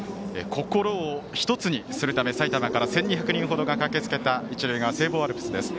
心を１つにするため埼玉から１２００人ほどが駆けつけた一塁側聖望アルプスです。